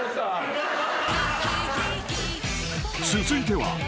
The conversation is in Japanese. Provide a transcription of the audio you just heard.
［続いては］